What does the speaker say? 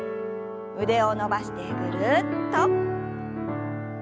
腕を伸ばしてぐるっと。